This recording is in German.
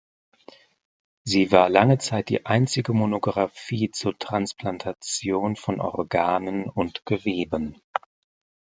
Sie war lange Zeit die einzige Monographie zur Transplantation von Organen und Geweben.